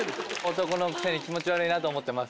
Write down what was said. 男のくせに気持ち悪いなと思ってます。